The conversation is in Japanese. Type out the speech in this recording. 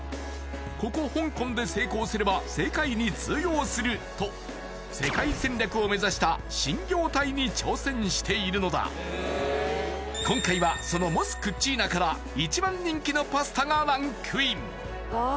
ここ香港で成功すれば世界に通用すると世界戦略を目指した新業態に挑戦しているのだ今回はそのモスクッチーナから１番人気のパスタがランクインわあ